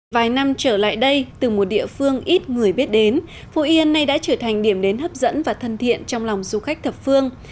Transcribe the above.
vài năm trở lại đây từ một địa phương ít người biết đến phú yên nay đã trở thành điểm đến hấp dẫn và thân thiện trong lòng du khách thập phương